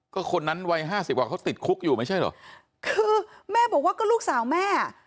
ก็คนนั้นวัยห้าสิบกว่าเขาติดคุกอยู่ไม่ใช่เหรอคือแม่บอกว่าก็ลูกสาวแม่อ่ะ